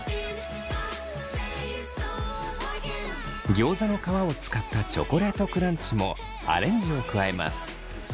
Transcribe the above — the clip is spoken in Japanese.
ギョーザの皮を使ったチョコレートクランチもアレンジを加えます。